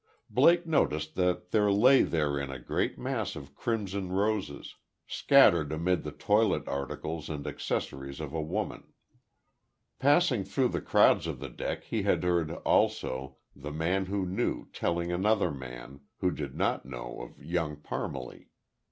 Blake noticed that there lay therein a great mass of crimson roses; scattered amid the toilet articles and accessories of a woman. Passing through the crowds of the deck, he had heard, also, The Man Who Knew telling another man, who did not know of Young Parmalee.